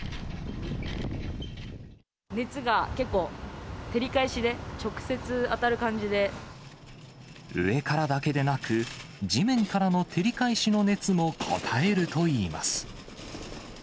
熱が結構、上からだけでなく、地面からの照り返しの熱もこたえるといいます。